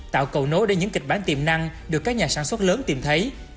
tạo cầu nối để những kịch bản tiềm năng được các nhà sản xuất lớn tìm thấy